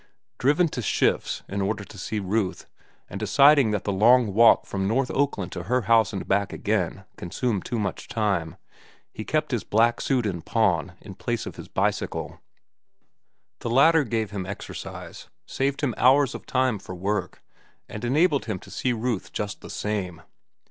Driven to shifts in order to see Ruth, and deciding that the long walk from north Oakland to her house and back again consumed too much time, he kept his black suit in pawn in place of his bicycle. The latter gave him exercise, saved him hours of time for work, and enabled him to see Ruth just the same.